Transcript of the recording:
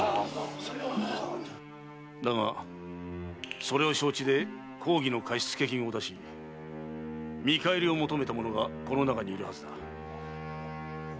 だがそれを承知で公儀の貸付金を出し見返りを求めた者がこの中にいるはずだ。